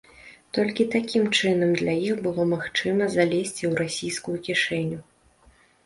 Толькі такім чынам для іх было магчыма залезці ў расійскую кішэню.